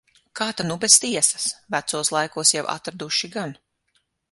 Kā ta nu bez tiesas. Vecos laikos jau atraduši gan.